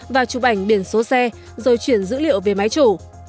và chụp ảnh biển số xe rồi chuyển dữ liệu về máy chủ